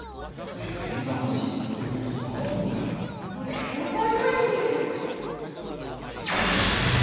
なるほどにゅ。